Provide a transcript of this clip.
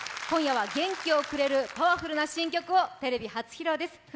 今夜は元気をくれるパワフルな新曲をテレビ初披露です。